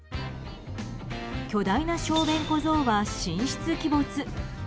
巨大な小便小僧は神出鬼没。